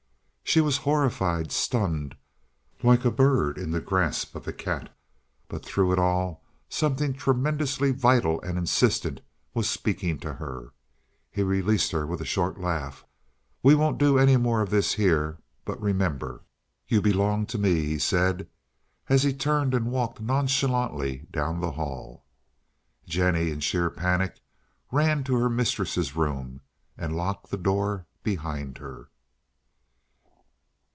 She was horrified, stunned, like a bird in the grasp of a cat; but through it all something tremendously vital and insistent was speaking to her. He released her with a short laugh. "We won't do any more of this here, but, remember, you belong to me," he said, as he turned and walked nonchalantly down the hall. Jennie, in sheer panic, ran to her mistress's room and locked the door behind her.